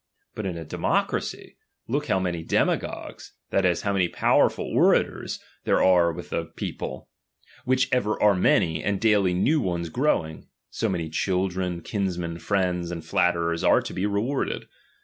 But ^^ democracy, look how many demagogues, that is, how many powerful orators there are with the I 132 DOMINION. CHAP. X. people, (which ever are many, and daily new ones '' growing), so many children, kinsmen, friends, and flatterers are to be rewarded.